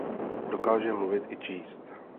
Dokáže mluvit i číst.